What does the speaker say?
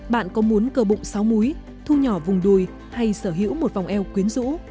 bạn có muốn cơ bụng sáu múi thu nhỏ vùng đuôi hay sở hữu một vòng eo quyến rũ